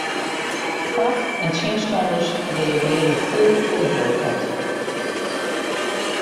Foar- en tsjinstanners reagearje fûl op de boykot.